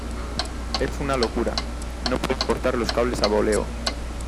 es una locura, no puede cortar los cables a boleo.